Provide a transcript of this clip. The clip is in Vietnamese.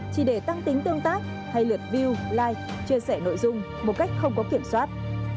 chỉ để tăng tính tương tác hay lượt view life chia sẻ nội dung một cách không có kiểm soát